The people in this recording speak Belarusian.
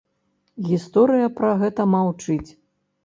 Гісторыя пра гэта маўчыць.